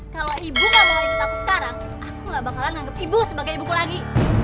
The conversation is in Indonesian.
kalau ibu nggak mau ikut aku sekarang aku nggak bakalan anggap ibu sebagai ibu ku lagi